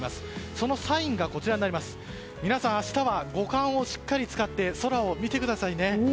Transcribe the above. そのサインがこちら、皆さん明日は五感をしっかり使って空を見てくださいね。